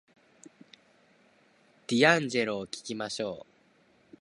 ディアンジェロを聞きましょう